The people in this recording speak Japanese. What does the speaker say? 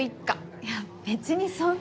いや別にそんな。